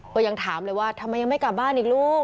ก็ยังถามเลยว่าทำไมยังไม่กลับบ้านอีกลูก